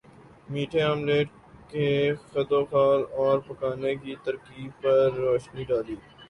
میٹھے آملیٹ کے خدوخال اور پکانے کی ترکیب پر روشنی ڈالی